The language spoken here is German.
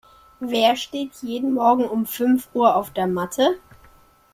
Wer steht jeden Morgen um fünf Uhr auf der Matte?